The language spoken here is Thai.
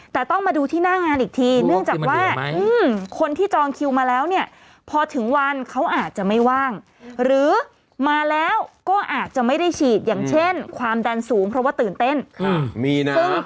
แต่ต้องมาดูที่หน้างานอีกที